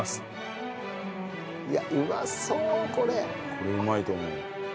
これうまいと思う。